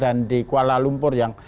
dan di kuala lumpur yang